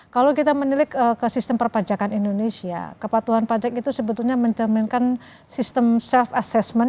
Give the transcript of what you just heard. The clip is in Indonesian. kalau kita menilik ke sistem perpajakan indonesia kepatuhan pajak itu sebetulnya mencerminkan sistem self assessment